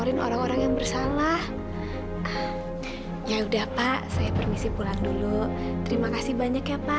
sita mama mimpi kan